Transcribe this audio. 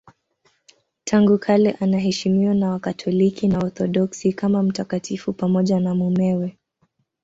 Tangu kale anaheshimiwa na Wakatoliki na Waorthodoksi kama mtakatifu pamoja na mumewe.